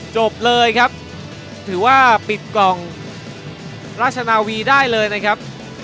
จบเลยครับถือว่าปิดกล่องราชนาวีได้เลยนะครับ